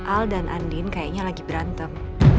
al dan andin kayaknya lagi berantem